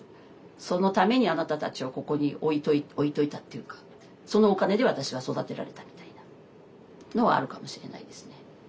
そのためにあなたたちをここに置いといたっていうかそのお金で私は育てられたみたいなのはあるかもしれないですね。